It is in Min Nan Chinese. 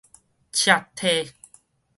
赤體